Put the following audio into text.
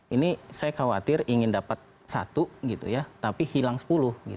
ini saya khawatir ingin dapat satu tapi hilang sepuluh